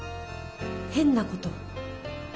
変なこと？